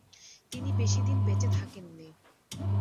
তিনি বেশিদিন বেঁচে থাকেন নি।